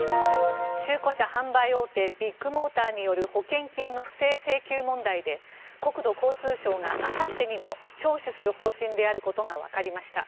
中古車販売大手ビッグモーターによる保険金の不正請求問題で国土交通省があさってにも聴取する方針であることがわかりました。